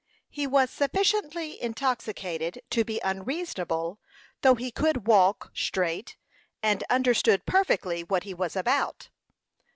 He was sufficiently intoxicated to be unreasonable, though he could walk straight, and understood perfectly what he was about.